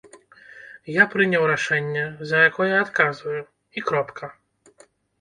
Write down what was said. Я прыняў рашэнне, за якое адказваю, і кропка.